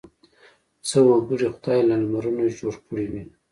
څه وګړي خدای له لمرونو جوړ کړي وي.